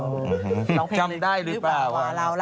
ร้องเพลงได้รึเปล่า